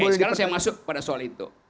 sampai sekarang saya masuk pada soal itu